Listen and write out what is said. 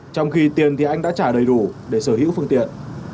trong khi tiền thì anh đã trả đầy đủ để sở hữu phương tiện